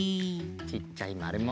ちっちゃいまるも。